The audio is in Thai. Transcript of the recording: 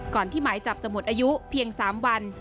ที่หมายจับจะหมดอายุเพียง๓วัน